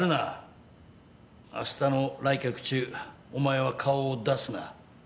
あしたの来客中お前は顔を出すな。